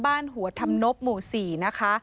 บ้านหัวธรรมนบหมู่๔นะคะ